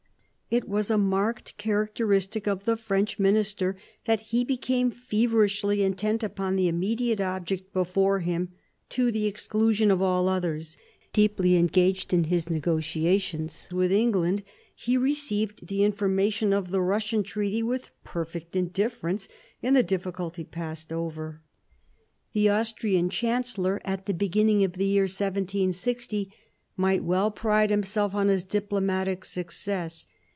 It was a marked characteristic of the French minister that he became feverishly intent upon the immediate object before him to the exclusion of all others. Deeply engaged at the moment in his negotiations with England, he received the information of the Eussian treaty with perfect indifference, and the difficulty passed over. The Austrian chancellor, at the beginning of the year 164 MARIA TftERESA chap, vn 1760, might well pride himself on his diplomatic success.